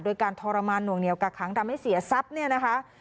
โดยการทรมานหน่วงเหนียวกักขังทำให้เสียทรัพย์เนี่ยนะคะ